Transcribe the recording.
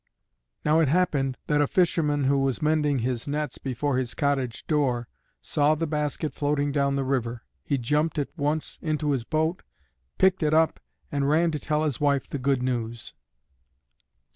Now it happened that a fisherman, who was mending his nets before his cottage door, saw the basket floating down the river. He jumped at once into his boat, picked it up, and ran to tell his wife the good news.